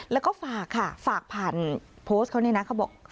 แล้วก็ฝากผ่านโพสต์ของเขานี่